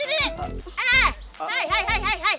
eh romlah sini sini